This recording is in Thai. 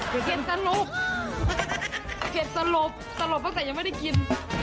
เผ็ดสลบเผ็ดสลบสลบตั้งแต่ยังไม่ได้กิน